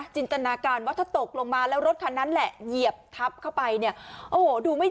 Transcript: ตนาการว่าถ้าตกลงมาแล้วรถคันนั้นแหละเหยียบทับเข้าไปเนี่ยโอ้โหดูไม่